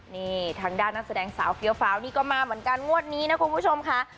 นี่ทางด้านนักแสดงสาวนี่ก็มาเหมือนการงวดนี้นะคุณผู้ชมค่ะ